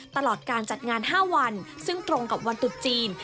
ตลอดการจัดงาน๕วันซึ่งตรงกับวันตุดจีน